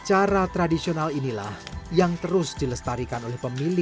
cara tradisional inilah yang terus dilestarikan oleh kacang kedelai